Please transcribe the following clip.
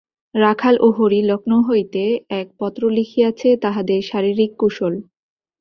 রাখাল ও হরি লক্ষ্ণৌ হইতে এক পত্র লিখিয়াছে, তাহাদের শারীরিক কুশল।